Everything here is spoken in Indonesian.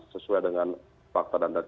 sesuai dengan fakta dan data